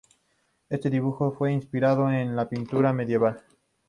Este dibujo fue inspirado en una pintura medieval.